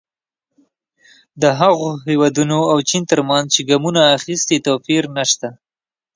د هغو هېوادونو او چین ترمنځ چې ګامونه اخیستي توپیر نه شته.